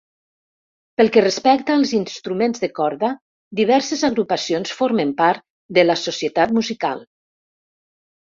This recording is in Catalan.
Pel que respecta als instruments de corda, diverses agrupacions formen part de la Societat Musical.